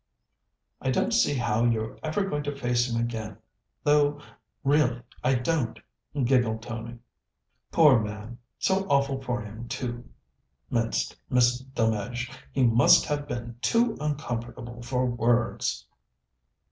"I don't see how you're ever going to face him again, though really I don't," giggled Tony. "Poor man! so awful for him, too," minced Miss Delmege. "He must have been too uncomfortable for words."